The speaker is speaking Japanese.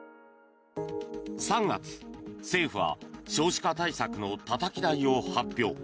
３月、政府は少子化対策のたたき台を発表。